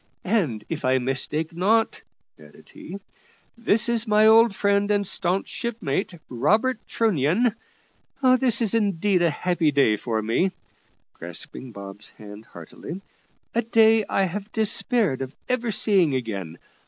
And, if I mistake not," added he, "this is my old friend and staunch shipmate, Robert Trunnion. This is indeed a happy day for me," grasping Bob's hand heartily, "a day I have despaired of ever seeing again.